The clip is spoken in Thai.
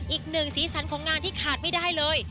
อีกหนึ่งสีสันของงานที่ขาดไม่ได้เลย